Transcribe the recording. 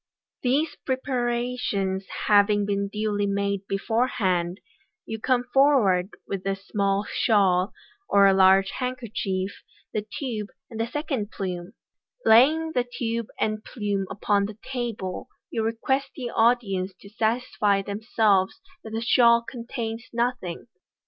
These preparations having been duly made beforehand, you come forward with a small shawl, or large handkerchief, the tube, and the second plume. Laying the tube and plume upon the table, you Fig. 112. Fig. "3 MODERN MA GIC. 2 57 request the audience to satisfy themselves that the shawl contains nothing.